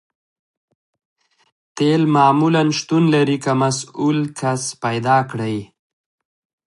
تیل معمولاً شتون لري که مسؤل کس پیدا کړئ